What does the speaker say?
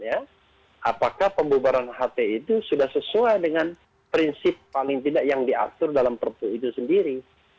apakah pembubaran hti itu sudah sesuai dengan prinsip paling tidak yang diatur dalam perpu itu sendiri